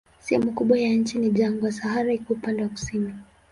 Sehemu kubwa ya nchi ni jangwa, Sahara iko upande wa kusini.